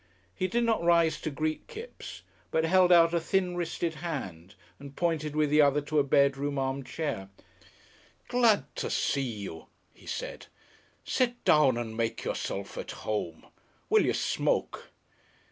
He did not rise to greet Kipps, but held out a thin wristed hand and pointed with the other to a bedroom arm chair. "Glad to see you," he said. "Sit down and make yourself at home. Will you smoke?"